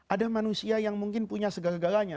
ada manusia yang mungkin punya segala galanya